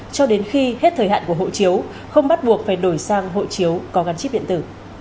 cho đến khi hết thời hạn của hộ chiếu không bắt buộc phải đổi sang hộ chiếu có gắn chip điện tử